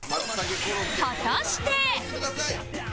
果たして？